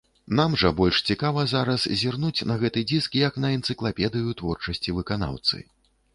Нам жа больш цікава зараз зірнуць на гэты дыск як на энцыклапедыю творчасці выканаўцы.